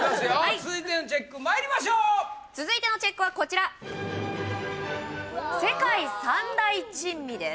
続いてのチェックまいりましょう続いてのチェックはこちら世界三大珍味です